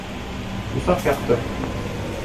— Усаҡ яҡтым.